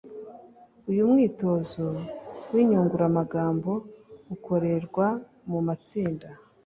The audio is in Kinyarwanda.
Uyu mwitozo w’inyunguramagambo ukorerwa mu matsinda